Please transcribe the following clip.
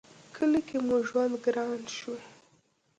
کلي کې مو ژوند گران شو